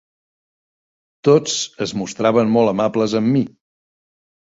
Tots es mostraven molt amables amb mi